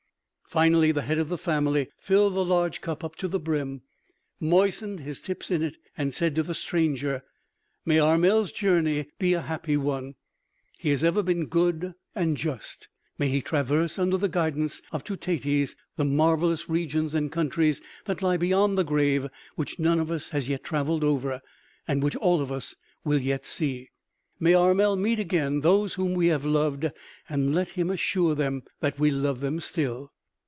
Finally, the head of the family filled the large cup up to the brim, moistened his lips in it and said to the stranger: "May Armel's journey be a happy one; he has ever been good and just; may he traverse under the guidance of Teutates the marvelous regions and countries that lie beyond the grave which none of us has yet traveled over, and which all of us will yet see. May Armel meet again those whom we have loved, and let him assure them that we love them still!"